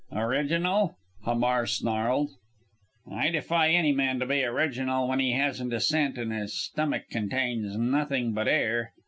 "Original!" Hamar snarled. "I defy any man to be original when he hasn't a cent, and his stomach contains nothing but air.